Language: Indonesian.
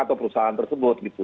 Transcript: atau perusahaan tersebut gitu